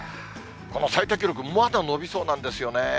この最多記録、まだ伸びそうなんですよね。